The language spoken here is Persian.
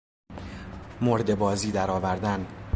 مرده بازی در آوردن